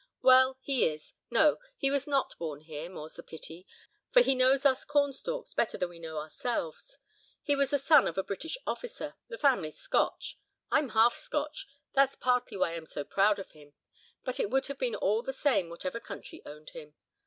"Well! he is. No! he was not born here, more's the pity, for he knows us cornstalks better than we know ourselves. He was the son of a British officer, the family's Scotch. I'm half Scotch, that's partly why I am so proud of him. But it would have been all the same whatever country owned him.